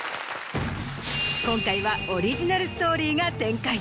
今回はオリジナルストーリーが展開